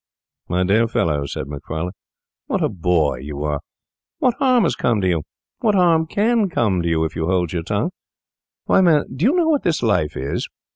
'My dear fellow,' said Macfarlane, 'what a boy you are! What harm has come to you? What harm can come to you if you hold your tongue? Why, man, do you know what this life is?